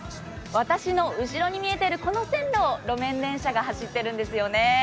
私の後ろに見えているこの線路を路面電車が走っているんですよね。